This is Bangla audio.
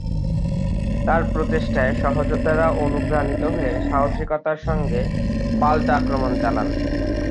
তার প্রচেষ্টায় সহযোদ্ধারা অনুপ্রাণিত হয়ে সাহসিকতার সঙ্গে পাল্টা আক্রমণ চালান।